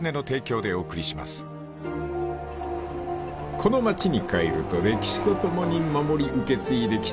［この町に帰ると歴史とともに守り受け継いできた